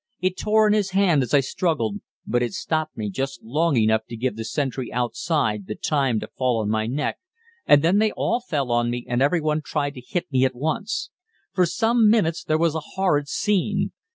It tore in his hand as I struggled, but it stopped me just long enough to give the sentry outside the time to fall on my neck, and then they all fell on me and every one tried to hit me at once. For some minutes there was a horrid scene.